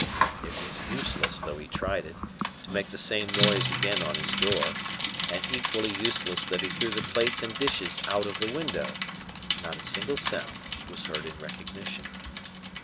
It was useless, though he tried it, to make the same noise again on his door, and equally useless that he threw the plates and dishes out of the window; not a single sound was heard in recognition.